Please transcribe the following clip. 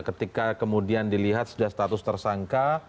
ketika kemudian dilihat sudah status tersangka